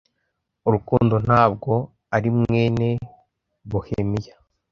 urukundo ntabwo ari mwene bohemia